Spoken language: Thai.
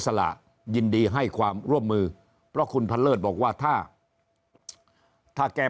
สละยินดีให้ความร่วมมือเพราะคุณพันเลิศบอกว่าถ้าถ้าแก